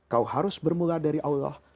kau harus bermula dari allah